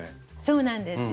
そうなんです。